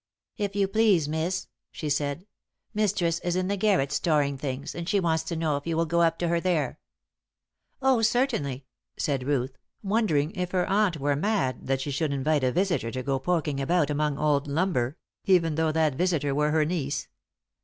"If you please, Miss," she said, "mistress is in the garret storing things, and she wants to know if you will go up to her there?" "Oh, certainly," said Ruth, wondering if her aunt were mad that she should invite a visitor to go poking about among old lumber even though that visitor were her niece.